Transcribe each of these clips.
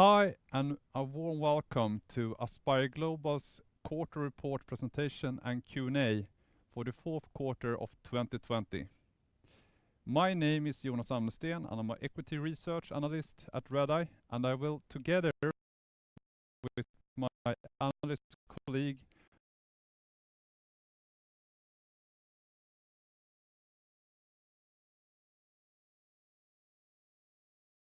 Hi, and a warm welcome to Aspire Global's quarter report presentation and Q&A for the fourth quarter of 2020. My name is Jonas Almqvist, and I'm an Equity Research Analyst at Redeye, and I will together with my analyst colleague.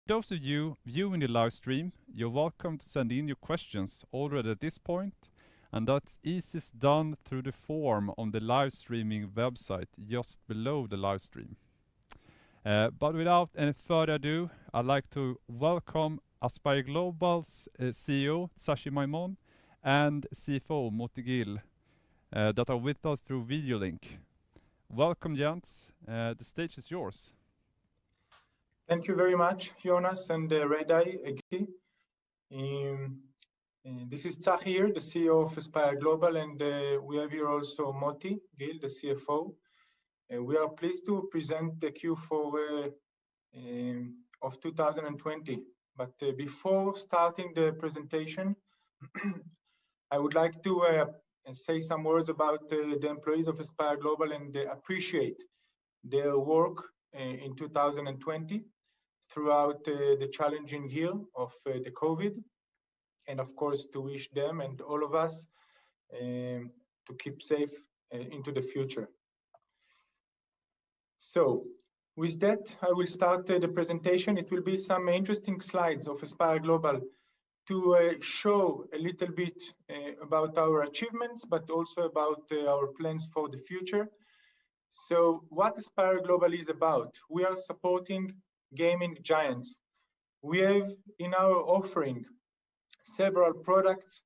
Those of you viewing the live stream, you're welcome to send in your questions already at this point, and that's easiest done through the form on the live streaming website just below the live stream. Without any further ado, I'd like to welcome Aspire Global's CEO, Tsachi Maimon, and CFO, Motti Gil, that are with us through video link. Welcome, gents. The stage is yours. Thank you very much, Jonas and Redeye, again. This is Tsachi here, the CEO of Aspire Global, and we have here also Motti Gil, the CFO. Before starting the presentation, I would like to say some words about the employees of Aspire Global and appreciate their work in 2020 throughout the challenging year of the COVID, and of course, to wish them and all of us to keep safe into the future. With that, I will start the presentation. It will be some interesting slides of Aspire Global to show a little bit about our achievements, but also about our plans for the future. What Aspire Global is about, we are supporting gaming giants. We have in our offering several products,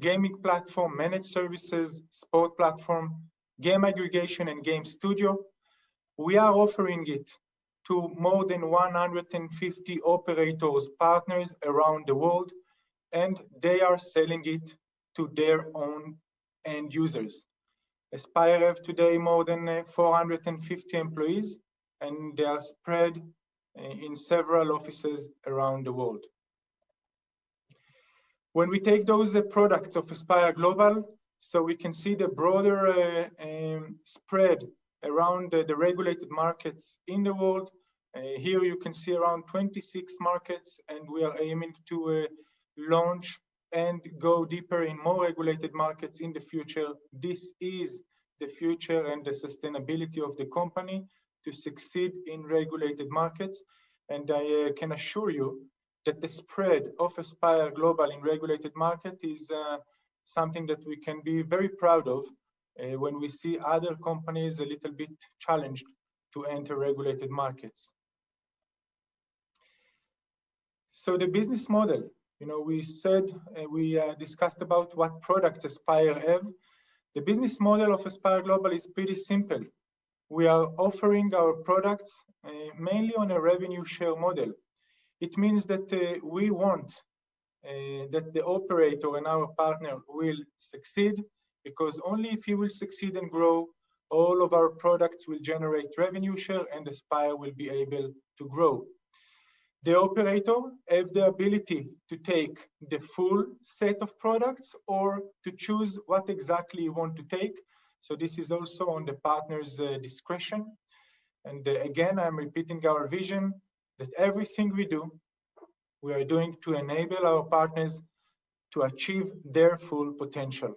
gaming platform, managed services, Sportsbook, game aggregation, and game studio. We are offering it to more than 150 operators, partners around the world, and they are selling it to their own end users. Aspire have today more than 450 employees, and they are spread in several offices around the world. When we take those products of Aspire Global, we can see the broader spread around the regulated markets in the world. Here you can see around 26 markets, we are aiming to launch and go deeper in more regulated markets in the future. This is the future and the sustainability of the company to succeed in regulated markets. I can assure you that the spread of Aspire Global in regulated market is something that we can be very proud of when we see other companies a little bit challenged to enter regulated markets. The business model. We discussed about what products Aspire have. The business model of Aspire Global is pretty simple. We are offering our products mainly on a revenue share model. It means that we want that the operator and our partner will succeed because only if he will succeed and grow, all of our products will generate revenue share and Aspire will be able to grow. The operator have the ability to take the full set of products or to choose what exactly he want to take. This is also on the partner's discretion. Again, I'm repeating our vision that everything we do, we are doing to enable our partners to achieve their full potential.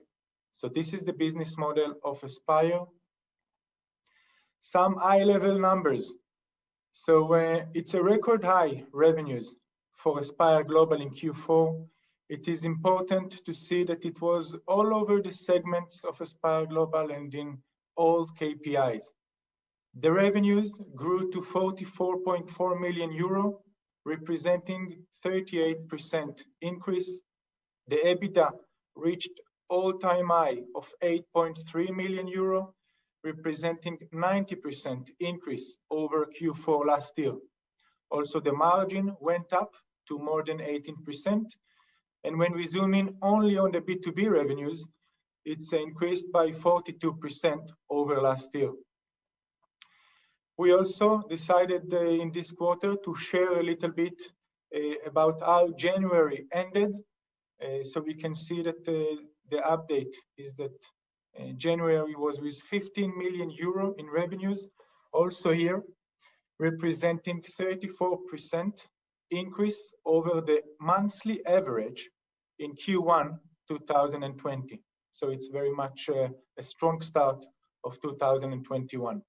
This is the business model of Aspire. Some high-level numbers. It's a record high revenues for Aspire Global in Q4. It is important to see that it was all over the segments of Aspire Global and in all KPIs. The revenues grew to 44.4 million euro, representing 38% increase. The EBITDA reached all-time high of 8.3 million euro, representing 90% increase over Q4 last year. The margin went up to more than 18%. When we zoom in only on the B2B revenues, it's increased by 42% over last year. We also decided in this quarter to share a little bit about how January ended. We can see that the update is that January was with 15 million euro in revenues. Here representing 34% increase over the monthly average in Q1 2020. It's very much a strong start of 2021.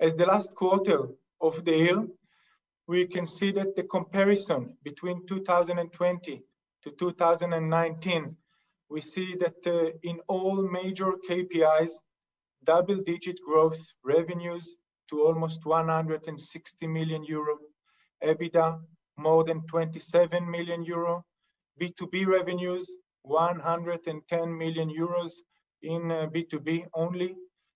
As the last quarter of the year, we can see that the comparison between 2020 to 2019, we see that in all major KPIs, double-digit growth revenues to almost 160 million euro. EBITDA, more than 27 million euro. B2B revenues, 110 million euros in B2B only.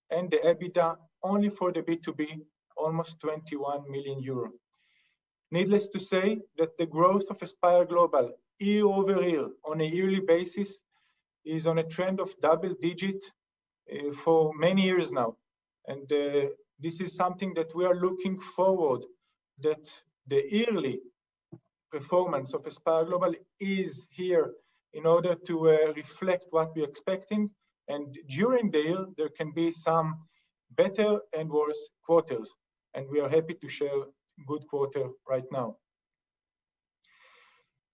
The EBITDA, only for the B2B, almost 21 million euro. Needless to say that the growth of Aspire Global year-over-year on a yearly basis is on a trend of double-digit for many years now. This is something that we are looking forward, that the yearly performance of Aspire Global is here in order to reflect what we're expecting, and during the year, there can be some better and worse quarters, and we are happy to show good quarter right now.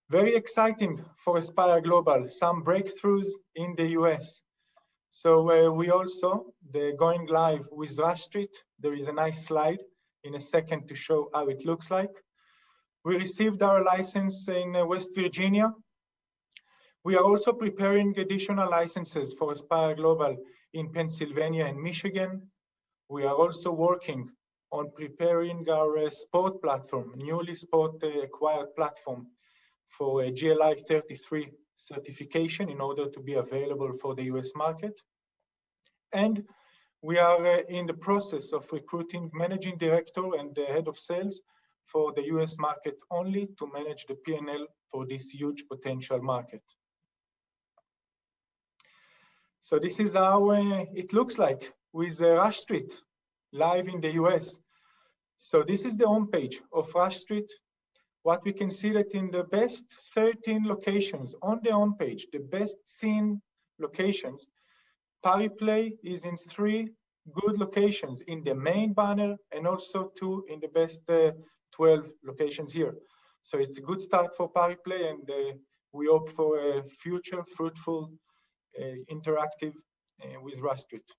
Very exciting for Aspire Global, some breakthroughs in the U.S. We are also going live with Rush Street. There is a nice slide in one second to show how it looks like. We received our license in West Virginia. We are also preparing additional licenses for Aspire Global in Pennsylvania and Michigan. We are also working on preparing our Sportsbook platform, newly Sportsbook acquired platform for a GLI 33 certification in order to be available for the U.S. market. We are in the process of recruiting managing director and the head of sales for the U.S. market only to manage the P&L for this huge potential market. This is how it looks like with Rush Street live in the U.S. This is the homepage of Rush Street. What we can see that in the best 13 locations on the homepage, the best seen locations, Pariplay is in three good locations, in the main banner and also two in the best 12 locations here. It's a good start for Pariplay, and we hope for a future fruitful interactive with Rush Street.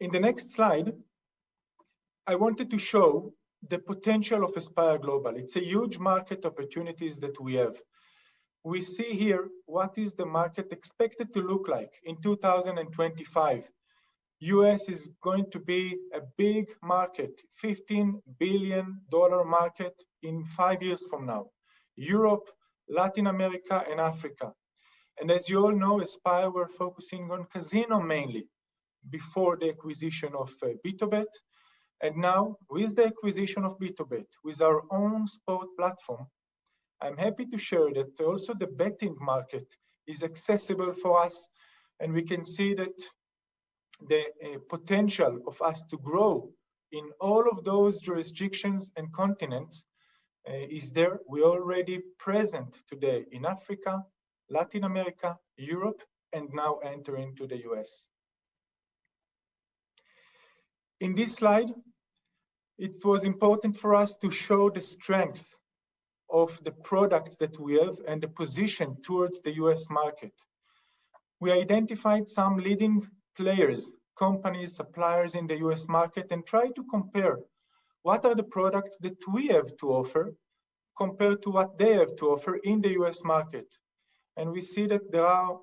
In the next slide, I wanted to show the potential of Aspire Global. It's a huge market opportunities that we have. We see here what is the market expected to look like in 2025. U.S. is going to be a big market, $15 billion market in five years from now. Europe, Latin America, and Africa. As you all know, Aspire were focusing on casino mainly before the acquisition of BtoBet, and now with the acquisition of BtoBet, with our own sport platform, I'm happy to share that also the betting market is accessible for us, and we can see that the potential of us to grow in all of those jurisdictions and continents is there. We already present today in Africa, Latin America, Europe, and now entering to the U.S. In this slide, it was important for us to show the strength of the products that we have and the position towards the U.S. market. We identified some leading players, companies, suppliers in the U.S. market try to compare what are the products that we have to offer compared to what they have to offer in the U.S. market. We see that there are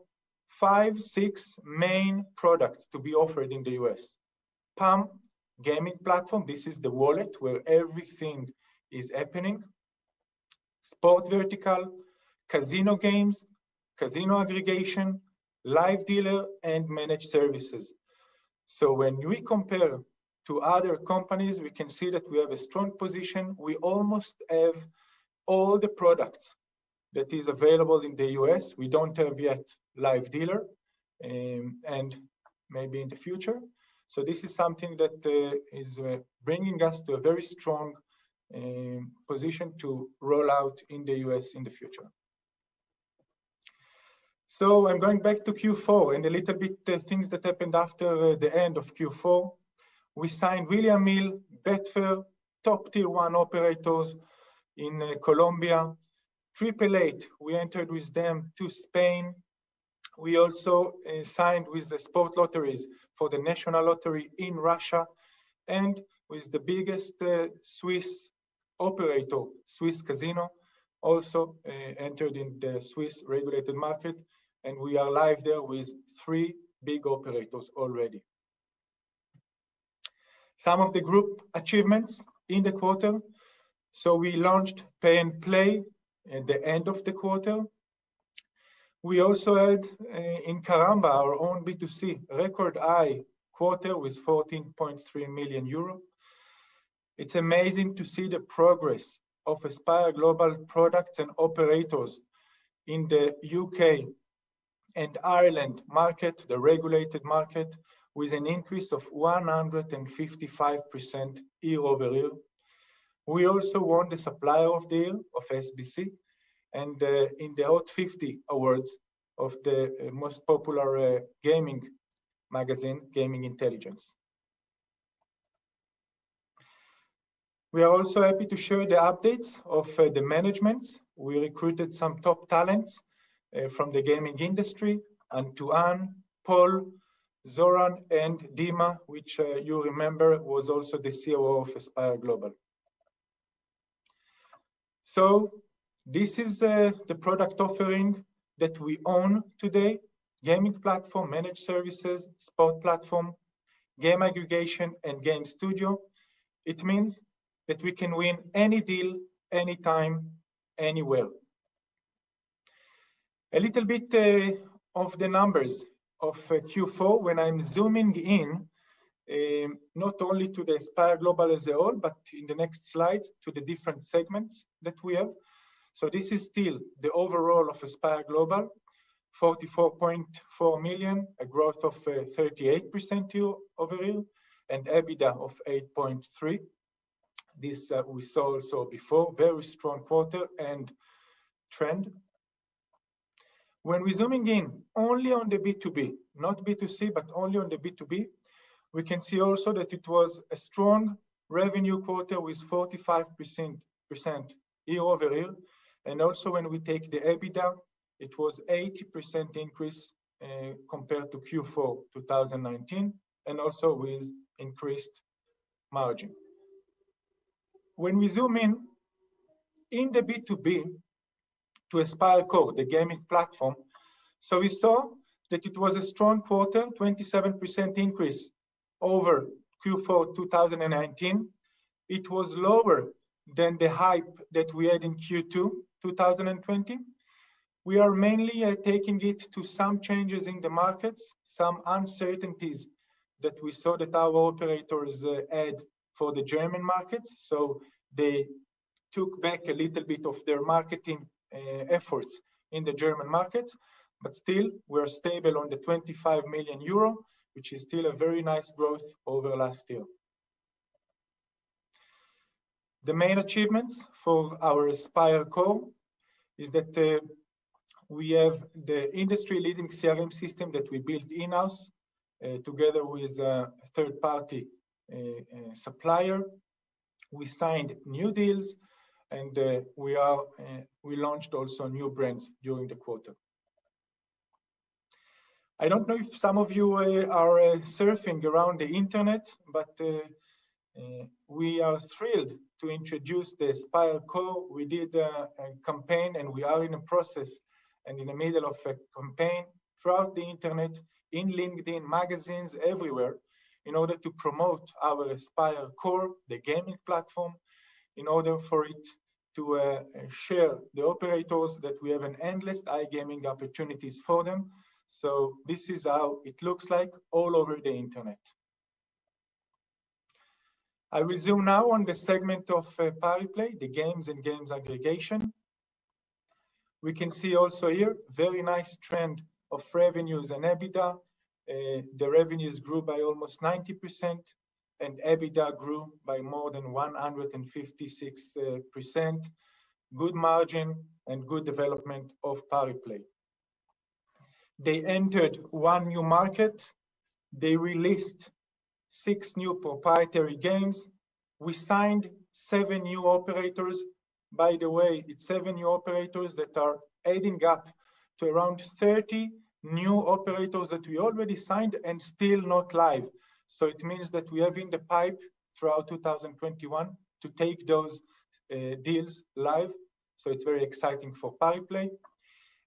five, six main products to be offered in the U.S. PAM iGaming platform, this is the wallet where everything is happening. Sportsbook vertical, casino games, casino aggregation, live dealer, managed services. When we compare to other companies, we can see that we have a strong position. We almost have all the products that is available in the U.S. We don't have yet live dealer, maybe in the future. This is something that is bringing us to a very strong position to roll out in the U.S. in the future. I'm going back to Q4 and a little bit things that happened after the end of Q4. We signed William Hill, Betfair, top tier one operators in Colombia. 888, we entered with them to Spain. We also signed with the Sports Lotteries for the National Lottery in Russia, and with the biggest Swiss operator, Swiss Casinos, also entered in the Swiss regulated market, and we are live there with three big operators already. Some of the group achievements in the quarter. We launched Pay N Play in the end of the quarter. We also had in Karamba, our own B2C, record high quarter with 14.3 million euro. It's amazing to see the progress of Aspire Global products and operators in the U.K. and Ireland market, the regulated market, with an increase of 155% year-over-year. We also won the Supplier of the Year of SBC and in the Hot 50 awards of the most popular gaming magazine, Gaming Intelligence. We are also happy to show the updates of the management. We recruited some top talents from the gaming industry, Antoine, Paul, Zoran, and Dima, which you remember was also the COO of Aspire Global. This is the product offering that we own today, gaming platform, managed services, Sportsbook, game aggregation, and game studio. It means that we can win any deal, anytime, anywhere. A little bit of the numbers of Q4. When I'm zooming in, not only to the Aspire Global as a whole, but in the next slide to the different segments that we have. This is still the overall of Aspire Global, 44.4 million, a growth of 38% year overall, and EBITDA of 8.3 million. This we saw also before, very strong quarter and trend. When we're zooming in only on the B2B, not B2C, but only on the B2B, we can see also that it was a strong revenue quarter with 45% year overall. When we take the EBITDA, it was 18% increase compared to Q4 2019, and also with increased margin. When we zoom in the B2B to AspireCore, the gaming platform, we saw that it was a strong quarter, 27% increase over Q4 2019. It was lower than the hype that we had in Q2 2020. We are mainly taking it to some changes in the markets, some uncertainties that we saw that our operators had for the German markets. They took back a little bit of their marketing efforts in the German markets, but still, we're stable on the 25 million euro, which is still a very nice growth over last year. The main achievements for our AspireCore is that we have the industry-leading CRM system that we built in-house, together with a third-party supplier. We signed new deals and we launched also new brands during the quarter. I don't know if some of you are surfing around the Internet, but we are thrilled to introduce the AspireCore. We did a campaign, and we are in a process and in the middle of a campaign throughout the Internet, in LinkedIn, magazines, everywhere, in order to promote our AspireCore, the gaming platform, in order for it to share the operators that we have an endless iGaming opportunities for them. This is how it looks like all over the Internet. I will zoom now on the segment of Pariplay, the games and games aggregation. We can see also here, very nice trend of revenues and EBITDA. The revenues grew by almost 90%, and EBITDA grew by more than 156%. Good margin and good development of Pariplay. They entered one new market. They released six new proprietary games. We signed seven new operators. By the way, it's seven new operators that are adding up to around 30 new operators that we already signed and still not live. It means that we have in the pipe throughout 2021 to take those deals live. It's very exciting for Pariplay.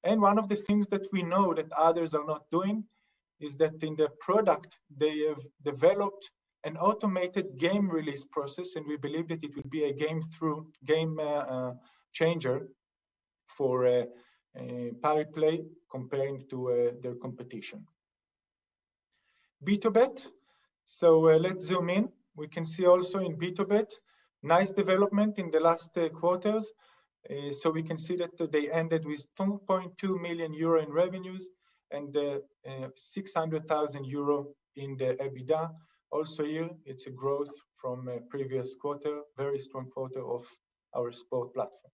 One of the things that we know that others are not doing is that in the product, they have developed an automated game release process, and we believe that it will be a game changer for Pariplay compared to their competition. BtoBet. Let's zoom in. We can see also in BtoBet, nice development in the last quarters. We can see that they ended with 2.2 million euro in revenues and 600,000 euro in the EBITDA. Also here, it's a growth from previous quarter, very strong quarter of our Sportsbook platform.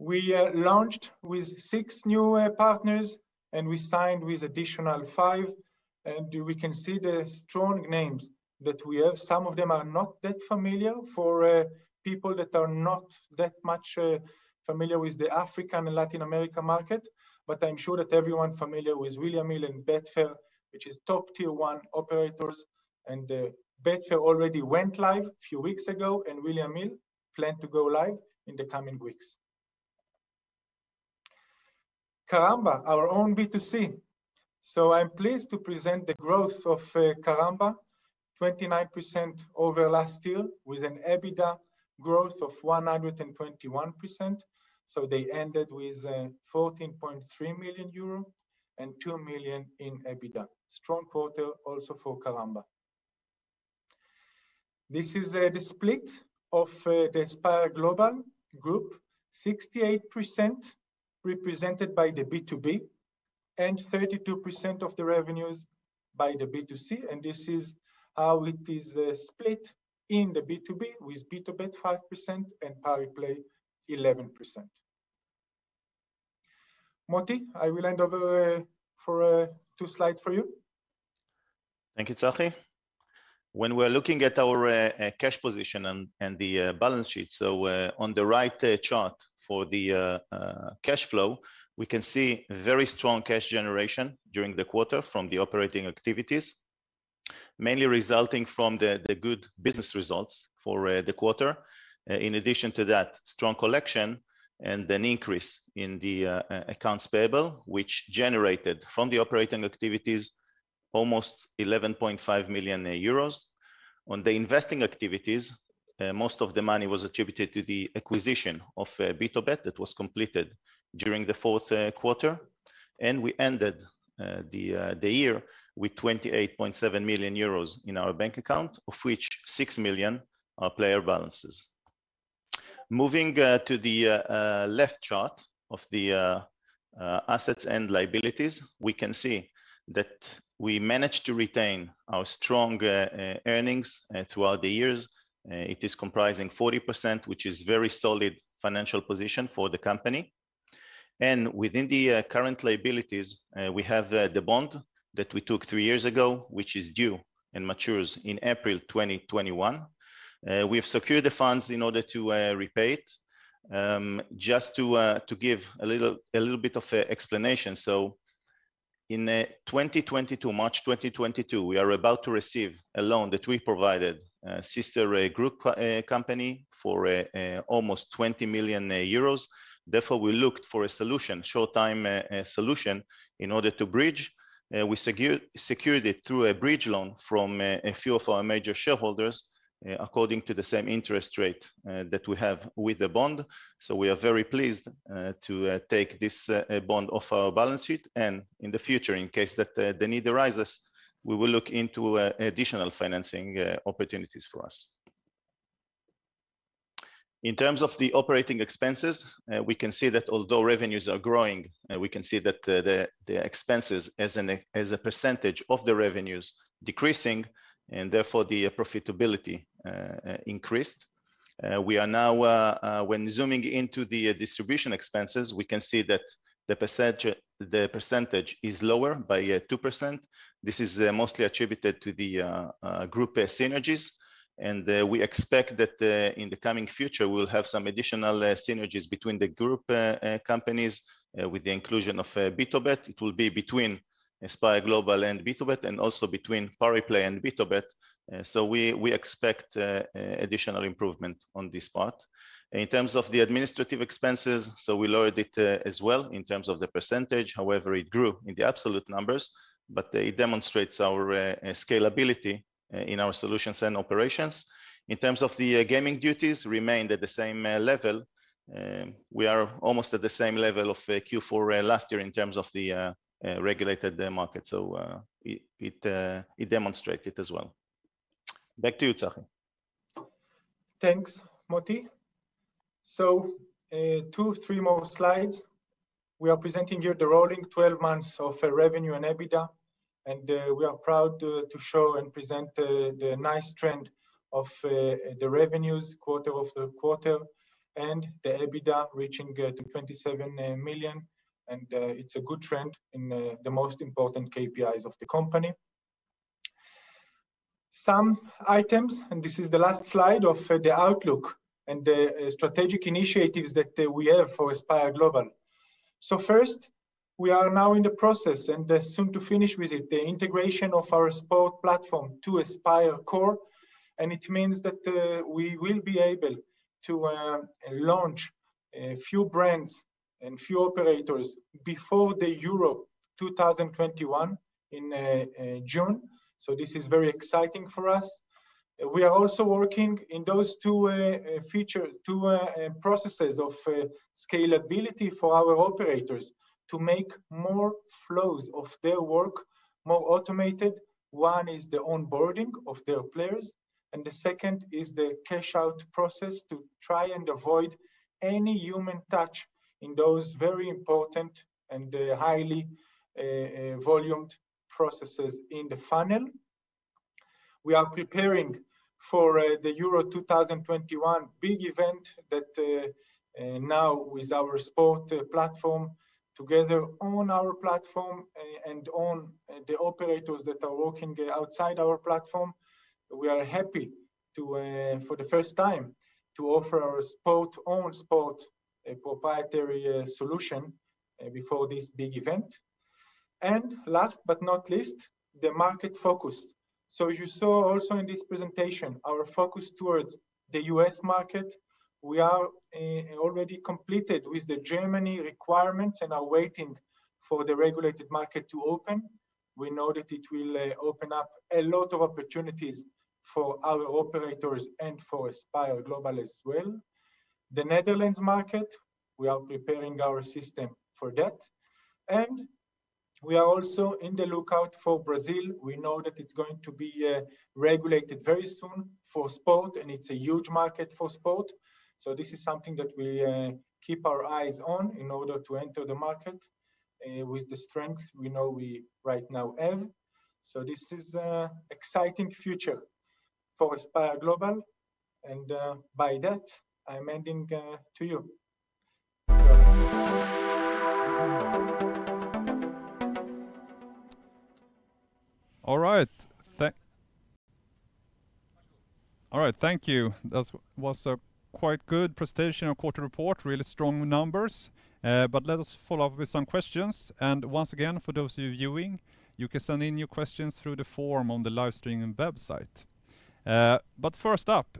We launched with six new partners, and we signed with additional five, and we can see the strong names that we have. Some of them are not that familiar for people that are not that much familiar with the African and Latin America market, but I'm sure that everyone familiar with William Hill and Betfair, which is top tier one operators, and Betfair already went live a few weeks ago, and William Hill plan to go live in the coming weeks. Karamba, our own B2C. I'm pleased to present the growth of Karamba, 29% over last year with an EBITDA growth of 121%. They ended with 14.3 million euro and 2 million in EBITDA. Strong quarter also for Karamba. This is the split of the Aspire Global group, 68% represented by the B2B and 32% of the revenues by the B2C, and this is how it is split in the B2B with BtoBet 5% and Pariplay 11%. Motti, I will hand over for two slides for you. Thank you, Tsachi. When we're looking at our cash position and the balance sheet, on the right chart for the cash flow, we can see very strong cash generation during the quarter from the operating activities, mainly resulting from the good business results for the quarter. In addition to that strong collection and an increase in the accounts payable, which generated from the operating activities almost 11.5 million euros. On the investing activities, most of the money was attributed to the acquisition of BtoBet that was completed during the fourth quarter, and we ended the year with 28.7 million euros in our bank account, of which 6 million are player balances. Moving to the left chart of the assets and liabilities, we can see that we managed to retain our strong earnings throughout the years. It is comprising 40%, which is very solid financial position for the company. Within the current liabilities, we have the bond that we took three years ago, which is due and matures in April 2021. We have secured the funds in order to repay it. Just to give a little bit of explanation, in March 2022, we are about to receive a loan that we provided sister group company for almost 20 million euros. Therefore, we looked for a solution, short-time solution, in order to bridge. We secured it through a bridge loan from a few of our major shareholders, according to the same interest rate that we have with the bond. We are very pleased to take this bond off our balance sheet, and in the future, in case that the need arises, we will look into additional financing opportunities for us. In terms of the operating expenses, we can see that although revenues are growing, we can see that the expenses as a percentage of the revenues decreasing, and therefore, the profitability increased. We are now, when zooming into the distribution expenses, we can see that the percentage is lower by 2%. This is mostly attributed to the group synergies. We expect that in the coming future, we will have some additional synergies between the group companies with the inclusion of BtoBet. It will be between Aspire Global and BtoBet, also between Pariplay and BtoBet. We expect additional improvement on this part. In terms of the administrative expenses, we lowered it as well in terms of the percentage. However, it grew in the absolute numbers, but it demonstrates our scalability in our solutions and operations. In terms of the gaming duties, remained at the same level. We are almost at the same level of Q4 last year in terms of the regulated market. It demonstrated as well. Back to you, Tsachi. Thanks, Motti. Two, three more slides. We are presenting here the rolling 12 months of revenue and EBITDA, and we are proud to show and present the nice trend of the revenues quarter-over-quarter, and the EBITDA reaching to 27 million, and it's a good trend in the most important KPIs of the company. Some items, and this is the last slide of the outlook and the strategic initiatives that we have for Aspire Global. First, we are now in the process, and soon to finish with it, the integration of our sport platform to AspireCore, and it means that we will be able to launch a few brands and few operators before the Euro 2021 in June. This is very exciting for us. We are also working in those two processes of scalability for our operators to make more flows of their work more automated. One is the onboarding of their players, and the second is the cash out process to try and avoid any human touch in those very important and highly volumed processes in the funnel. We are preparing for the Euro 2021 big event that now with our Sportsbook platform together on our platform and on the operators that are working outside our platform. We are happy, for the first time, to offer our own Sportsbook a proprietary solution before this big event. Last but not least, the market focus. You saw also in this presentation, our focus towards the U.S. market. We are already completed with the Germany requirements and are waiting for the regulated market to open. We know that it will open up a lot of opportunities for our operators and for Aspire Global as well. The Netherlands market, we are preparing our system for that. We are also in the lookout for Brazil. We know that it's going to be regulated very soon for sport, and it's a huge market for sport. This is something that we keep our eyes on in order to enter the market with the strength we know we right now have. This is exciting future for Aspire Global. By that, I'm handing to you. All right. Thank you. That was a quite good presentation of quarter report. Really strong numbers. Let us follow up with some questions. Once again, for those of you viewing, you can send in your questions through the form on the live streaming website. First up,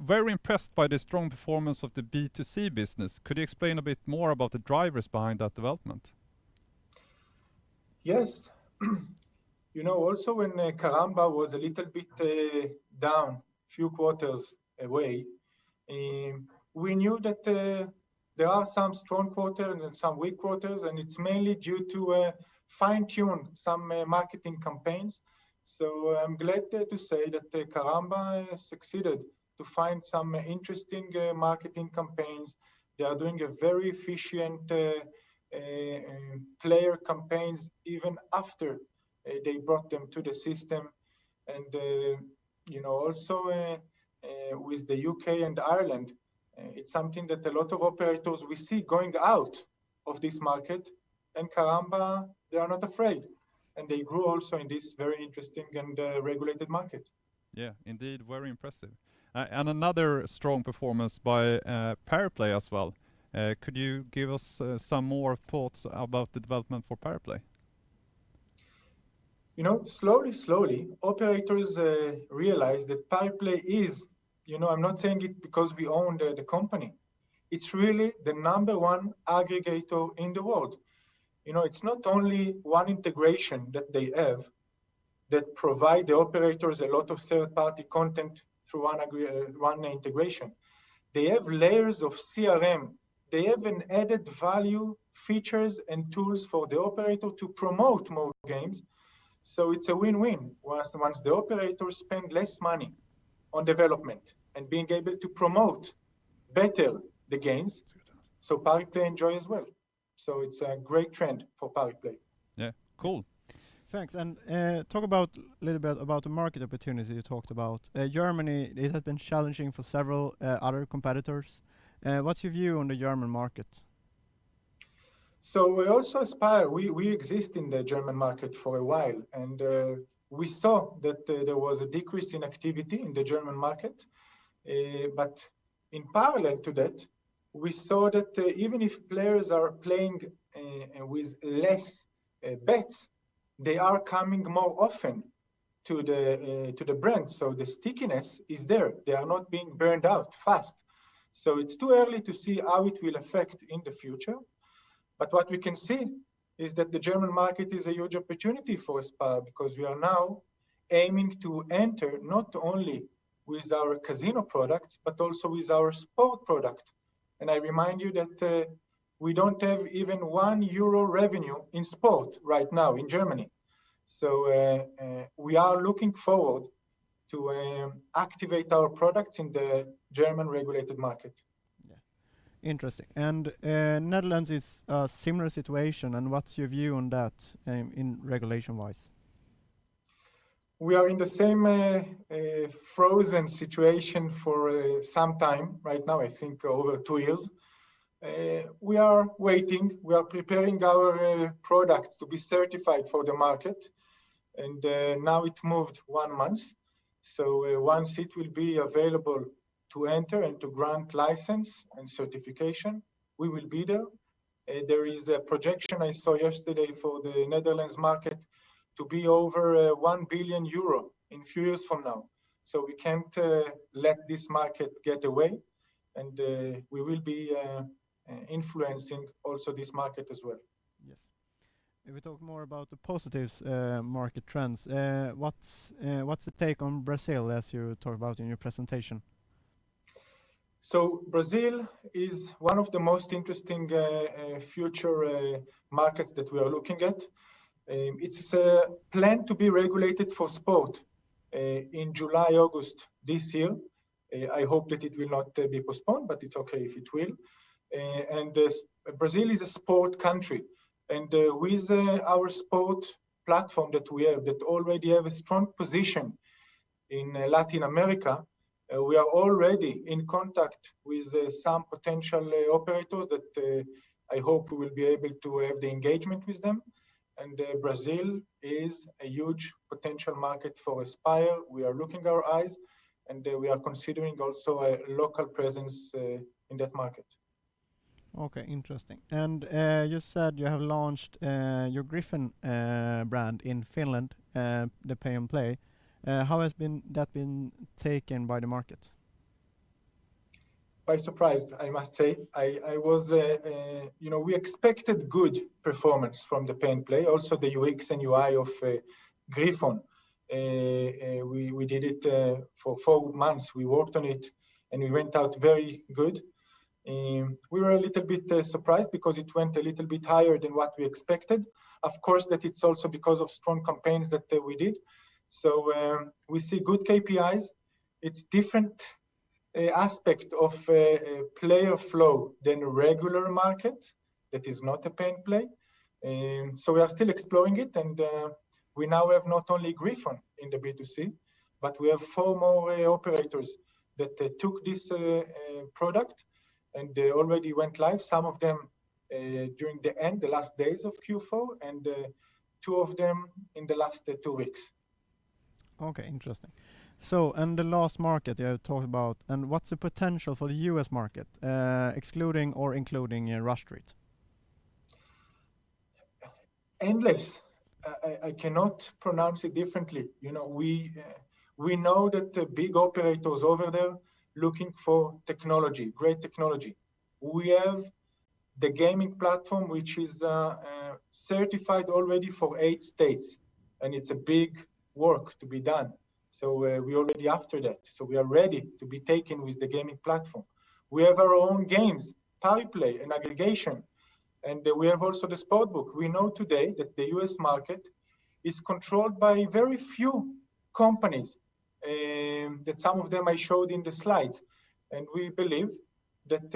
very impressed by the strong performance of the B2C business. Could you explain a bit more about the drivers behind that development? Yes. When Karamba was a little bit down a few quarters away, we knew that there are some strong quarter and then some weak quarters, and it's mainly due to fine-tune some marketing campaigns. I'm glad to say that Karamba succeeded to find some interesting marketing campaigns. They are doing a very efficient player campaigns even after they brought them to the system. Also with the U.K. and Ireland, it's something that a lot of operators we see going out of this market, and Karamba, they are not afraid, and they grew also in this very interesting and regulated market. Yeah, indeed. Very impressive. Another strong performance by Pariplay as well. Could you give us some more thoughts about the development for Pariplay? Slowly, operators realize that Pariplay is, I'm not saying it because we own the company, it's really the number one aggregator in the world. It's not only one integration that they have that provide the operators a lot of third-party content through one integration. They have layers of CRM. They have an added value, features, and tools for the operator to promote more games. It's a win-win. Once the operators spend less money on development and being able to promote better the games, so Pariplay enjoy as well. It's a great trend for Pariplay. Yeah, cool. Thanks. Talk a little bit about the market opportunity you talked about. Germany, it has been challenging for several other competitors. What's your view on the German market? We also Aspire, we exist in the German market for a while, and we saw that there was a decrease in activity in the German market. In parallel to that, we saw that even if players are playing with less bets, they are coming more often to the brand. The stickiness is there. They are not being burned out fast. It's too early to see how it will affect in the future. What we can see is that the German market is a huge opportunity for Aspire because we are now aiming to enter not only with our casino products, but also with our Sportsbook. I remind you that we don't have even 1 euro revenue in Sportsbook right now in Germany. We are looking forward to activate our products in the German regulated market. Yeah. Interesting. Netherlands is a similar situation and what's your view on that regulation-wise? We are in the same frozen situation for some time right now, I think over two years. We are waiting. We are preparing our products to be certified for the market, and now it moved one month. Once it will be available to enter and to grant license and certification, we will be there. There is a projection I saw yesterday for the Netherlands market to be over 1 billion euro in a few years from now. We can't let this market get away, and we will be influencing also this market as well. Yes. If we talk more about the positives market trends, what's the take on Brazil as you talk about in your presentation? Brazil is one of the most interesting future markets that we are looking at. It's planned to be regulated for sport in July, August this year. I hope that it will not be postponed, but it's okay if it will. Brazil is a sport country, and with our sport platform that we have, that already have a strong position in Latin America, we are already in contact with some potential operators that I hope we will be able to have the engagement with them. Brazil is a huge potential market for Aspire. We are looking our eyes, and we are considering also a local presence in that market. Okay. Interesting. You said you have launched your Griffon brand in Finland, the Pay N Play. How has that been taken by the market? Quite surprised, I must say. We expected good performance from the Pay N Play, also the UX and UI of Griffon. We did it for four months. We worked on it, and it went out very good. We were a little bit surprised because it went a little bit higher than what we expected. Of course, that it's also because of strong campaigns that we did. We see good KPIs. It's different aspect of player flow than regular market that is not a Pay N Play. We are still exploring it, and we now have not only Griffon in the B2C, but we have four more operators that took this product, and they already went live, some of them during the end, the last days of Q4, and two of them in the last two weeks. Okay, interesting. The last market you have talked about, what's the potential for the U.S. market, excluding or including Rush Street? Endless. I cannot pronounce it differently. We know that the big operators over there looking for great technology. We have the iGaming platform, which is certified already for eight states, and it's a big work to be done. We already after that. We are ready to be taken with the iGaming platform. We have our own games, Pariplay, and aggregation, and we have also the Sportsbook. We know today that the U.S. market is controlled by very few companies, that some of them I showed in the slides. We believe that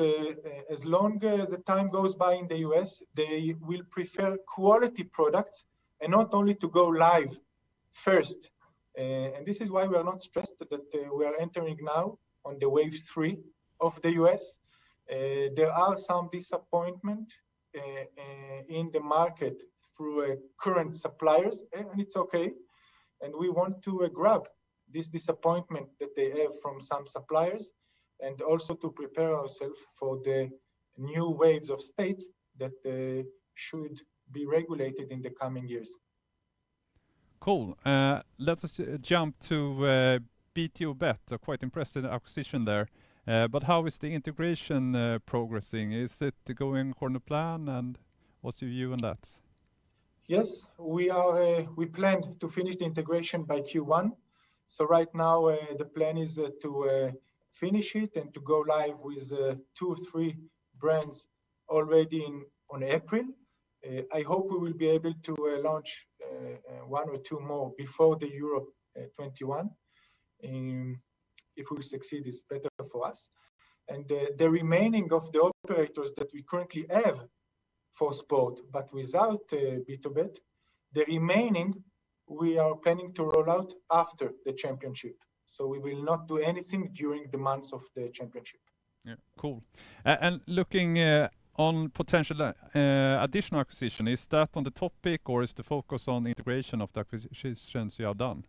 as long as the time goes by in the U.S., they will prefer quality products and not only to go live first. This is why we are not stressed that we are entering now on the wave three of the U.S. There are some disappointment in the market through current suppliers, and it's okay. We want to grab this disappointment that they have from some suppliers, and also to prepare ourselves for the new waves of States that should be regulated in the coming years. Cool. Let us jump to BtoBet, a quite impressive acquisition there. How is the integration progressing? Is it going according to plan, and what's your view on that? Yes, we plan to finish the integration by Q1. Right now, the plan is to finish it and to go live with two, three brands already on April. I hope we will be able to launch one or two more before the Euro 2021. If we succeed, it's better for us. The remaining of the operators that we currently have for sport, but without BtoBet, the remaining, we are planning to roll out after the championship. We will not do anything during the months of the championship. Yeah. Cool. Looking on potential additional acquisition, is that on the topic or is the focus on integration of the acquisitions you have done?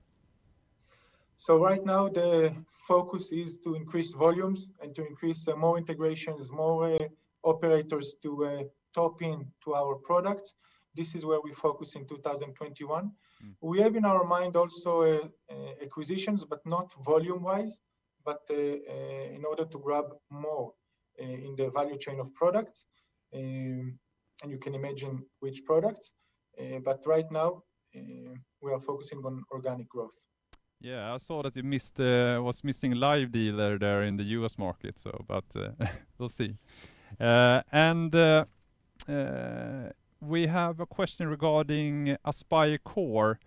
Right now the focus is to increase volumes and to increase more integrations, more operators to talk in to our products. This is where we focus in 2021. We have in our mind also acquisitions, but not volume-wise, but in order to grab more in the value chain of products, and you can imagine which products. Right now, we are focusing on organic growth. Yeah. I saw that you was missing live dealer there in the U.S. market, but we'll see. We have a question regarding AspireCore.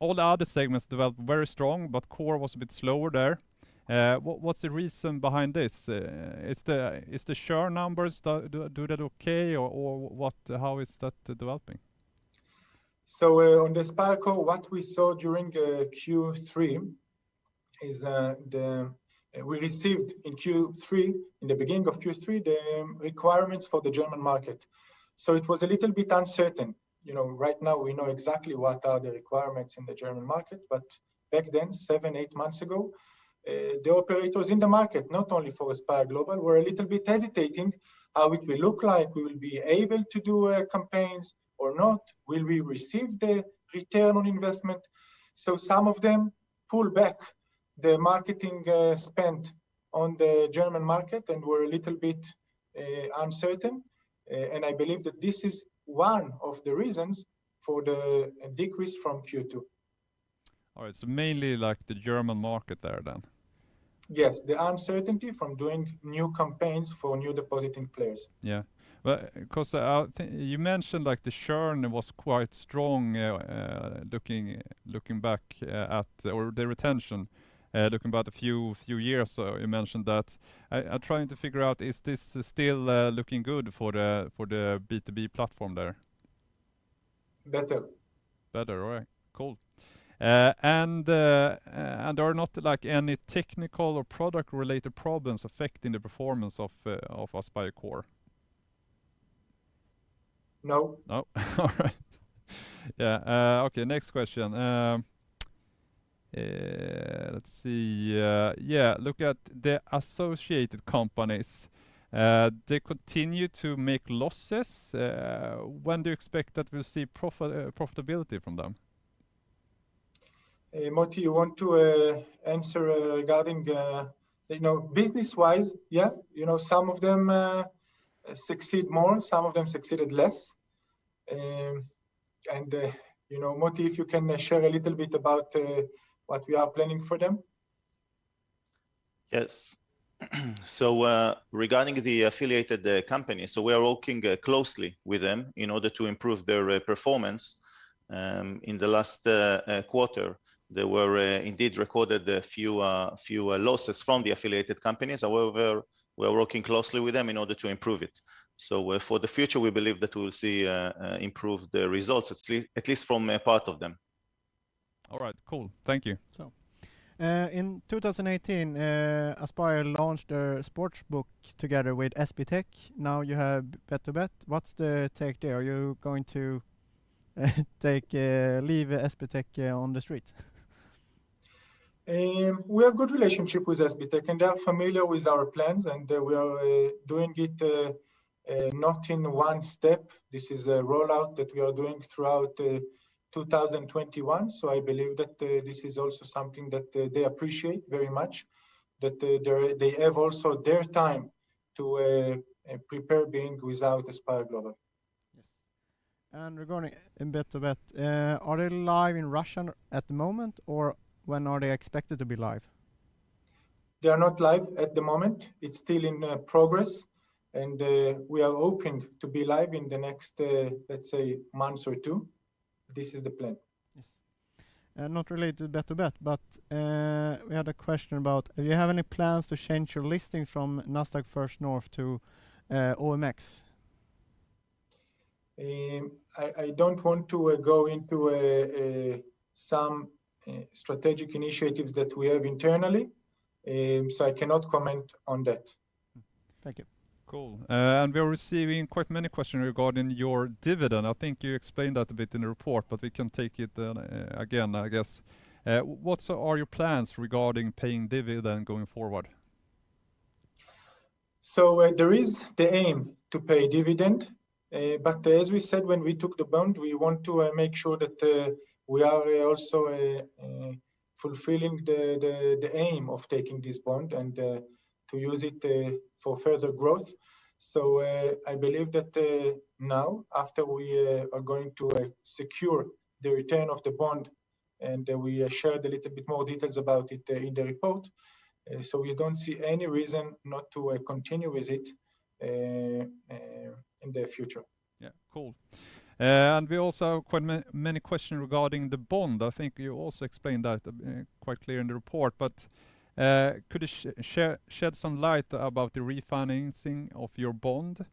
All the other segments developed very strong, but AspireCore was a bit slower there. What's the reason behind this? Is the churn numbers doing okay, or how is that developing? On the AspireCore, what we saw during Q3 is we received in Q3, in the beginning of Q3, the requirements for the German market. It was a little bit uncertain. Right now we know exactly what are the requirements in the German market. Back then, seven, eight months ago, the operators in the market, not only for Aspire Global, were a little bit hesitating how it will look like. Will we be able to do campaigns or not? Will we receive the return on investment? Some of them pulled back the marketing spend on the German market and were a little bit uncertain. I believe that this is one of the reasons for the decrease from Q2. All right, mainly the German market there, then. Yes. The uncertainty from doing new campaigns for new depositing players. Yeah. You mentioned the churn was quite strong or the retention looking back a few years you mentioned that. I'm trying to figure out, is this still looking good for the B2B platform there? Better. Better. All right, cool. Are not any technical or product-related problems affecting the performance of AspireCore? No. No? All right. Yeah. Next question. Let's see. Looking at the associated companies, they continue to make losses. When do you expect that we'll see profitability from them? Motti, you want to answer. Business-wise, yeah. Some of them succeed more, some of them succeeded less. Motti, if you can share a little bit about what we are planning for them. Yes. Regarding the affiliated company, we are working closely with them in order to improve their performance. In the last quarter, there were indeed recorded a few losses from the affiliated companies. However, we are working closely with them in order to improve it. For the future, we believe that we will see improved results, at least from a part of them. All right, cool. Thank you. In 2018, Aspire launched a Sportsbook together with SBTech. Now you have BtoBet. What's the take there? Are you going to leave SBTech on the street? We have good relationship with SBTech, and they are familiar with our plans, and we are doing it not in one step. This is a rollout that we are doing throughout 2021. I believe that this is also something that they appreciate very much, that they have also their time to prepare being without Aspire Global. Yes. Regarding BtoBet, are they live in Russia at the moment, or when are they expected to be live? They are not live at the moment. It's still in progress, and we are hoping to be live in the next, let's say, month or two. This is the plan. Yes. Not related to BtoBet, we had a question about do you have any plans to change your listing from Nasdaq First North to OMX? I don't want to go into some strategic initiatives that we have internally, so I cannot comment on that. Thank you. Cool. We're receiving quite many questions regarding your dividend. I think you explained that a bit in the report, but we can take it again, I guess. What are your plans regarding paying dividend going forward? There is the aim to pay dividend. As we said when we took the bond, we want to make sure that we are also fulfilling the aim of taking this bond and to use it for further growth. I believe that now after we are going to secure the return of the bond, and we shared a little bit more details about it in the report, we don't see any reason not to continue with it in the future. Yeah. Cool. We also have quite many questions regarding the bond. I think you also explained that quite clear in the report, but could you shed some light about the refinancing of your bond?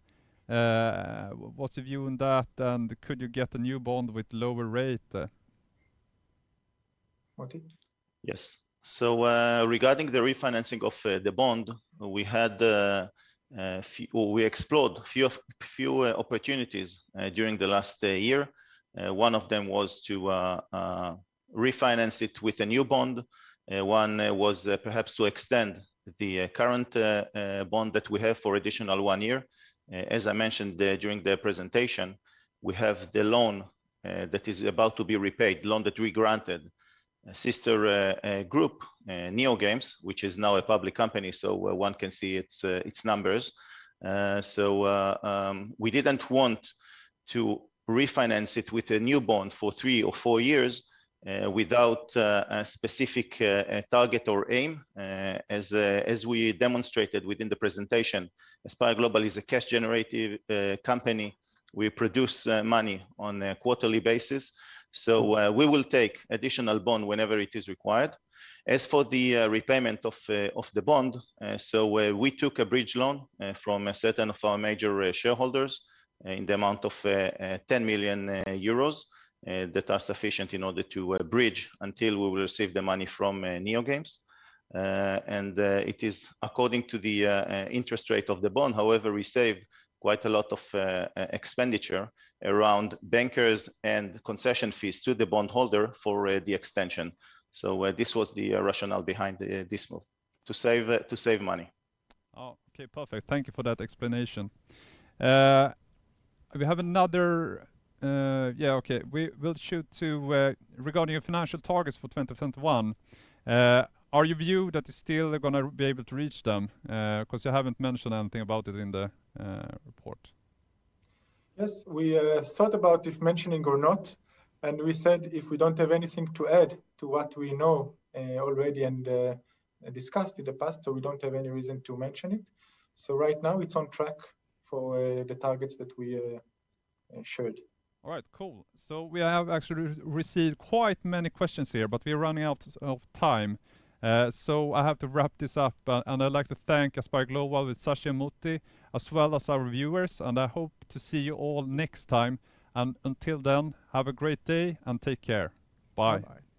What's your view on that, and could you get a new bond with lower rate? Motti? Yes. Regarding the refinancing of the bond, we explored few opportunities during the last year. One of them was to refinance it with a new bond. One was perhaps to extend the current bond that we have for additional one year. As I mentioned during the presentation, we have the loan that is about to be repaid, loan that we granted sister group, NeoGames, which is now a public company, so one can see its numbers. We didn't want to refinance it with a new bond for three or four years without a specific target or aim. As we demonstrated within the presentation, Aspire Global is a cash generative company. We produce money on a quarterly basis. We will take additional bond whenever it is required. As for the repayment of the bond, we took a bridge loan from a certain of our major shareholders in the amount of 10 million euros that are sufficient in order to bridge until we will receive the money from NeoGames. It is according to the interest rate of the bond. However, we saved quite a lot of expenditure around bankers and concession fees to the bond holder for the extension. This was the rationale behind this move, to save money. Oh, okay. Perfect. Thank you for that explanation. We have another Yeah, okay. Regarding your financial targets for 2021, are you viewed that you're still going to be able to reach them? You haven't mentioned anything about it in the report. Yes, we thought about if mentioning or not, and we said if we don't have anything to add to what we know already and discussed in the past, so we don't have any reason to mention it. Right now it's on track for the targets that we showed. All right, cool. We have actually received quite many questions here, but we're running out of time. I have to wrap this up, and I'd like to thank Aspire Global with Tsachi and Motti, as well as our viewers, and I hope to see you all next time. Until then, have a great day, and take care. Bye. Bye-bye.